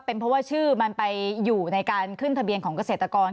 เป็นเพราะว่าชื่อมันไปอยู่ในการขึ้นทะเบียนของเกษตรกร